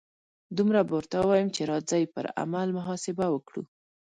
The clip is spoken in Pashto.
دومره به ورته ووایم چې راځئ پر عمل محاسبه وکړو.